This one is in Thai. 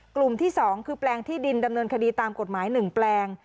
กลุ่มที่๒คือแปลงที่ดินดำเนินคดีตามกฎหมาย๑แปลง